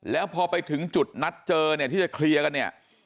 แล้วพอไปถึงจุดนัดเจอเนี่ยที่จะเคลียร์กันเนี่ย